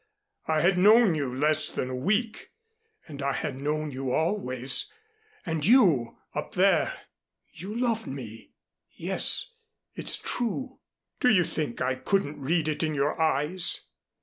I had known you less than a week, and I had known you always. And you up there you loved me. Yes, it's true. Do you think I couldn't read in your eyes?"